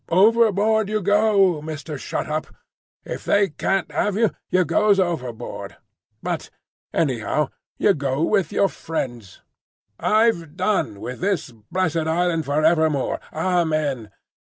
Overboard you go, Mister Shut up. If they can't have you, you goes overboard. But, anyhow, you go—with your friends. I've done with this blessed island for evermore, amen!